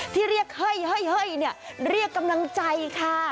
ที่เรียกเฮ้ยเนี่ยเรียกกำลังใจค่ะ